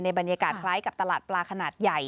บรรยากาศคล้ายกับตลาดปลาขนาดใหญ่